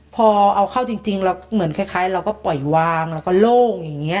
พอเอาเข้าจริงเราเหมือนคล้ายเราก็ปล่อยวางแล้วก็โล่งอย่างนี้